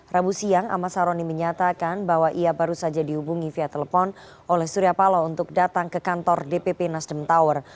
rabu siang ahmad saroni menyatakan bahwa ia baru saja dihubungi via telepon oleh surya palo untuk datang ke kantor dpp nasdem tower